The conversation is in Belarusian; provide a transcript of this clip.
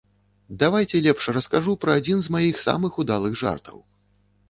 Давайце лепш раскажу пра адзін з маіх самых удалых жартаў.